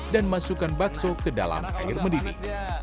dan masukkan bakso ke dalam air mendidih